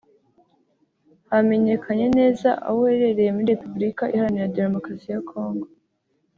hamenyekane neza aho uherereye muri Repubulika iharanira Demokarasi ya Congo